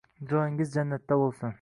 Joyingiz jannatda boʻlsin.